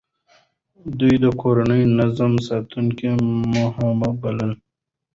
ده د کورني نظم ساتنه مهمه بلله.